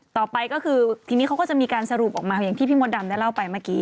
ต่อไปก็คือทีนี้เขาก็จะมีการสรุปออกมาอย่างที่พี่มดดำได้เล่าไปเมื่อกี้